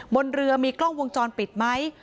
บนเรือมีกล้องวงจรปิดไหม